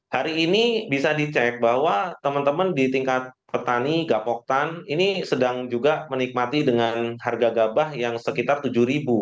hari ini bisa dicek bahwa teman teman di tingkat petani gapoktan ini sedang juga menikmati dengan harga gabah yang sekitar tujuh ribu